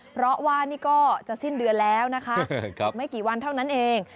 เพราะว่านี่ก็จะสิ้นเดือนแล้วนะคะไม่กี่วันเท่านั้นเอง